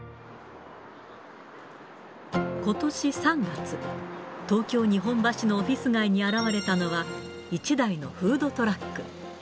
ことし３月、東京・日本橋のオフィス街に現れたのは、１台のフードトラック。